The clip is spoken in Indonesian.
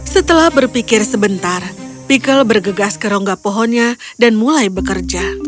setelah berpikir sebentar pikel bergegas ke rongga pohonnya dan mulai bekerja